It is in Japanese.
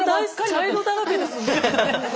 茶色だらけです。